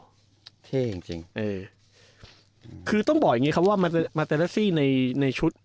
เท่จริงจริงเออคือต้องบอกอย่างงี้ครับว่ามาเตเลซี่ในในชุด